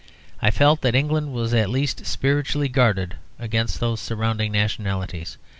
I felt that England was at least spiritually guarded against these surrounding nationalities.